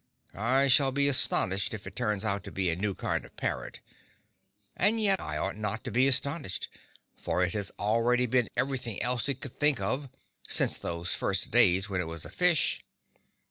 I shall be astonished if it turns out to be a new kind of parrot, and yet I ought not to be astonished, for it has already been everything else it could think of, since those first days when it was a fish.